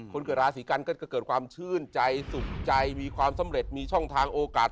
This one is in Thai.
คนเกิดราศีกันก็จะเกิดความชื่นใจสุขใจมีความสำเร็จมีช่องทางโอกาส